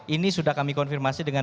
ini sudah kami konfirmasi dengan